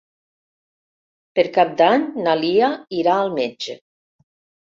Per Cap d'Any na Lia irà al metge.